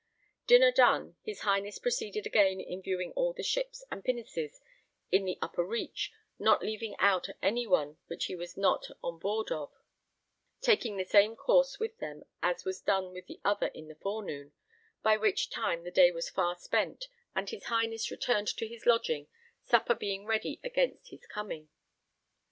Dinner done, his Highness proceeded again in viewing all the ships and pinnaces in the upper reach, not leaving out any one which he was not on board of, taking the same course with them as was done with the other in the forenoon, by which time the day was far spent, and his Highness returned to his lodging, supper being ready against his coming.